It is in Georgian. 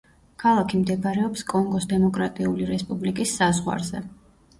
ქალაქი მდებარეობს კონგოს დემოკრატიული რესპუბლიკის საზღვარზე.